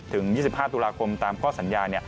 ๒๕ตุลาคมตามข้อสัญญา